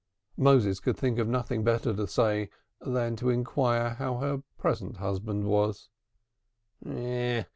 Moses could think of nothing better to say than to inquire how her present husband was.